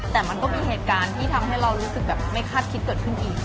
แต่มันก็มีเหตุการณ์ที่ทำให้เรารู้สึกแบบไม่คาดคิดเกิดขึ้นอีก